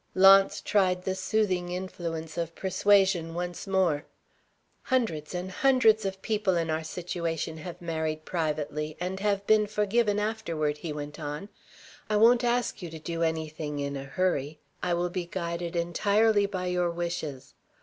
Launce tried the soothing influence of persuasion once more. "Hundreds and hundreds of people in our situation have married privately and have been forgiven afterward," he went on. "I won't ask you to do anything in a hurry. I will be guided entirely by your wishes.